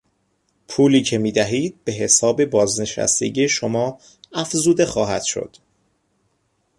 پولی که میدهید به حساب بازنشستگی شما افزوده خواهد شد.